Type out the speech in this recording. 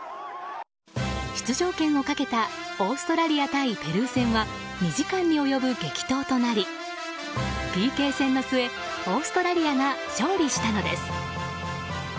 出場権をかけたオーストラリア対ペルー戦は２時間に及ぶ激闘となりＰＫ戦の末オーストラリアが勝利したのです。